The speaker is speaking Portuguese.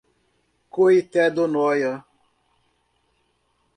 Coité do Noia